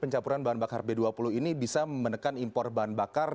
pencampuran bahan bakar b dua puluh ini bisa menekan impor bahan bakar